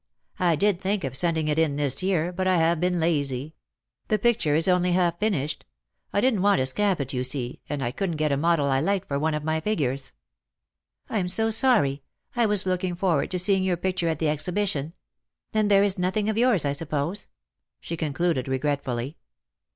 I did think of sending it in this year; but I have been lazy. The picture is only half finished. I didn't want to scamp it, you see, and I couldn't get a model I liked for one of my figures." " I'm so sorry. I was looking forward to seeing your picture at the Exhibition. Then there is nothing of yours, I suppose," she concluded regretfully.